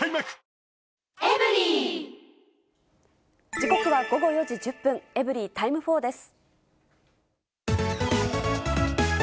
時刻は午後４時１０分、エブリィタイム４です。